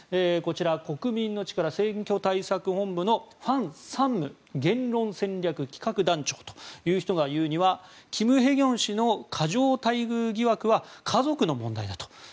こちら国民の力選挙対策本部のファン・サンム言論戦略企画団長という人が言うにはキム・ヘギョン氏の過剰待遇疑惑は家族の問題だと。